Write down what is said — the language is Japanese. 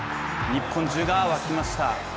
日本中が沸きました。